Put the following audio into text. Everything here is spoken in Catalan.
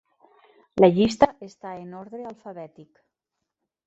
La llista està en ordre alfabètic.